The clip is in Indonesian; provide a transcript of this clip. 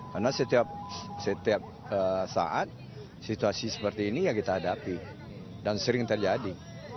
karena setiap saat situasi seperti ini yang kita hadapi dan sering terjadi